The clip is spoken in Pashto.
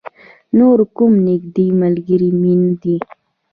نور کوم نږدې ملگری مې نه دی.